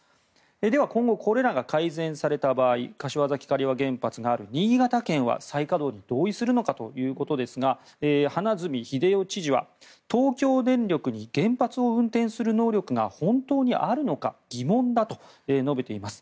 では今後これらが改善された場合柏崎刈羽原発がある新潟県は、再稼働に同意するのかということですが花角英世知事は東京電力に原発を運転する能力が本当にあるのか疑問だと述べています。